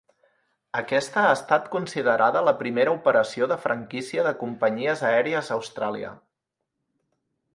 Aquesta ha estat considerada la primera operació de franquícia de companyies aèries a Austràlia.